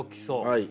はい。